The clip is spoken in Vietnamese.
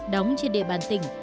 đóng trên địa bàn tỉnh